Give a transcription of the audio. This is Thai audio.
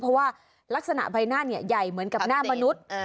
เพราะว่าลักษณะใบหน้าใหญ่เหมือนกับหน้ามนุษย์